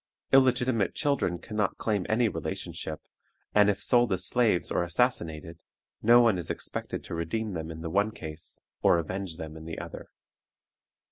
Illegitimate children can not claim any relationship, and if sold as slaves or assassinated, no one is expected to redeem them in the one case, or avenge them in the other.